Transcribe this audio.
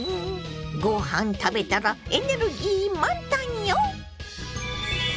ご飯食べたらエネルギー満タンよ！